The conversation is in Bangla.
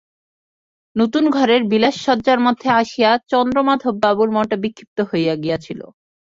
নূতন ঘরের বিলাসসজ্জার মধ্যে আসিয়া চন্দ্রমাধববাবুর মনটা বিক্ষিপ্ত হইয়া গিয়াছিল।